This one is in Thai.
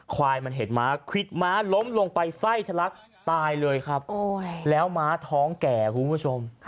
ควายมันเห็นม้าควิดม้าล้มลงไปไส้ทะลักตายเลยครับแล้วม้าท้องแก่คุณผู้ชม